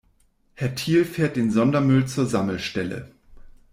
Herr Thiel fährt den Sondermüll zur Sammelstelle.